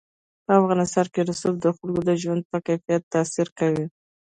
په افغانستان کې رسوب د خلکو د ژوند په کیفیت تاثیر کوي.